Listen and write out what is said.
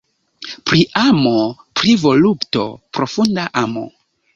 Pri amo, pri volupto. Profunda amo.